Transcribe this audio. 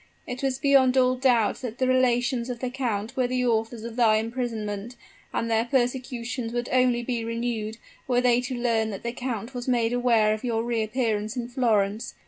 It is beyond all doubt certain that the relations of the count were the authors of thy imprisonment; and their persecutions would only be renewed, were they to learn that the count was made aware of your reappearance in Florence.